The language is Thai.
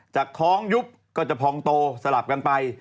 จากท้องยุบก็จะพองโตสลับกันไป